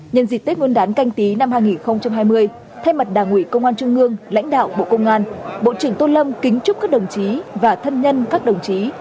nhân dịp tết nguyên đán canh tí năm hai nghìn hai mươi thay mặt đảng ủy công an trung ương lãnh đạo bộ công an bộ trưởng tôn lâm kính chúc các đồng chí và thân nhân các đồng chí